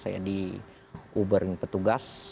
saya di uberin petugas